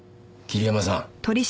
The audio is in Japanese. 桐山さん